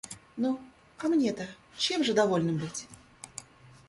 Ну, а мне-то чем же довольным быть?